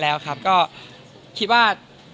แต่สมัยนี้ไม่ใช่อย่างนั้น